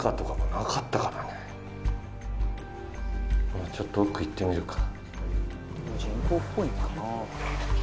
もうちょっと奥行ってみるか。